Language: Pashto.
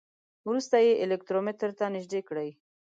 وروسته یې الکترومتر ته نژدې کړئ.